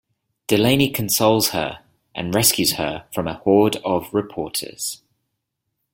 Delaney consoles her and rescues her from a horde of reporters.